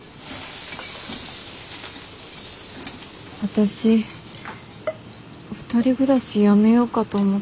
私２人暮らしやめようかと思って。